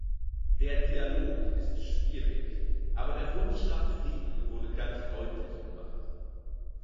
Der Dialog ist schwierig, aber der Wunsch nach Frieden wurde ganz deutlich gemacht.